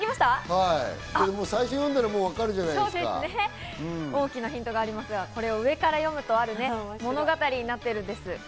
最初読んだら、大きなヒントがありますが、これは上から読むとある物語になっているんです。